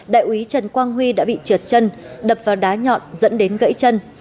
đại úy trần quang huy đã bị trượt chân đập vào đá nhọn dẫn đến gãy chân